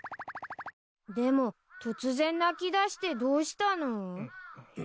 でも突然泣きだしてどうしたの？